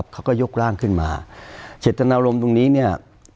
เขาก็ยกร่างขึ้นมาเจตนารมณ์ตรงนี้เนี่ย